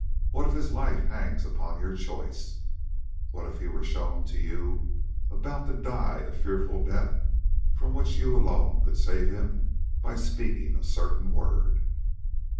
What if his life hangs upon your choice? What if he were shown to you about to die a fearful death from which you alone could save him by speaking a certain word?"